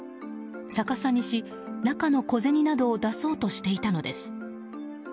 逆さにし、中の小銭などを出そうとしていたのです。